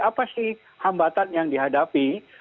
apa sih hambatan yang dihadapi